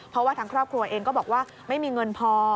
เพราะว่าทางครอบครัวเองก็บอกว่าไม่มีเงินพอ